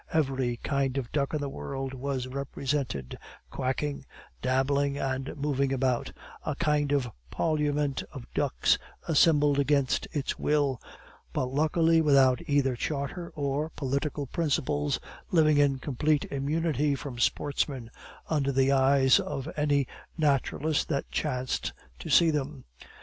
Every kind of duck in the world was represented, quacking, dabbling, and moving about a kind of parliament of ducks assembled against its will, but luckily without either charter or political principles, living in complete immunity from sportsmen, under the eyes of any naturalist that chanced to see them.